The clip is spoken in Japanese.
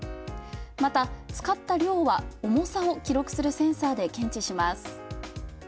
また、使った量は、重さを記録するセンサーで検知します。